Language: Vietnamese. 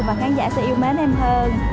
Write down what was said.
và khán giả sẽ yêu mến em hơn